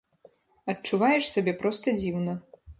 Адчуваеш сабе проста дзіўна.